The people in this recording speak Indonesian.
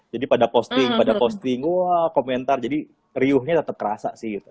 jadi pada posting pada posting wah komentar jadi riuhnya tetap kerasa sih gitu